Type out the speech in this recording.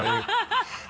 ハハハ